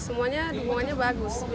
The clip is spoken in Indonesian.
semuanya dukungannya bagus